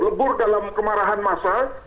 lebur dalam kemarahan masa